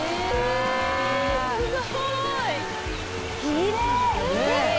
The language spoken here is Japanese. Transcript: きれい！